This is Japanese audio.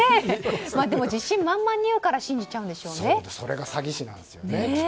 でも、自信満々に言うからそれが詐欺師なんですよね。